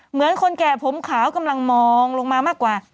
เหมือนคนแก่ผมขาวกำลังมองลงมามากกว่า